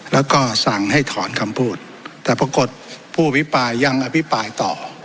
แล้วก็สั่งให้ถอนคำพูดแต่ปรากฏผู้อภิปรายยังอภิปรายต่อ